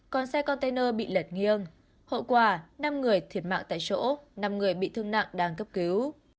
còn xe container bị lật nghiêng hậu quả năm người thiệt mạng tại chỗ năm người bị thương nặng đang cấp cứu